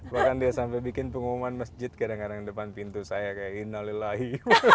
bahkan dia sampai bikin pengumuman masjid kadang kadang depan pintu saya kayak hina lillahi